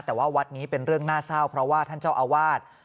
แต่ว่าวัดนี้เป็นเรื่องน่าเศร้าเพราะว่าท่านเจ้าอาวาส